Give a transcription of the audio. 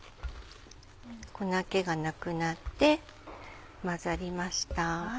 粉気がなくなって混ざりました。